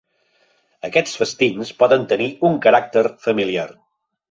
Aquests festins poden tenir un caràcter familiar.